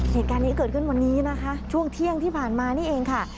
เหตุการณ์นี้เกิดขึ้นวันนี้นะคะช่วงเที่ยงที่ผ่านมานี่เองค่ะ